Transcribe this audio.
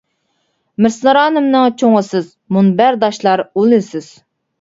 مىسرانىمنىڭ چوڭى سىز، مۇنبەرداشلار ئۇلى سىز.